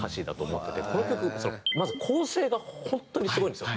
この曲まず構成が本当にすごいんですよ。